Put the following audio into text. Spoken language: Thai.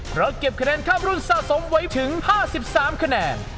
เพราะเก็บคะแนนข้ามรุ่นสะสมไว้ถึง๕๓คะแนน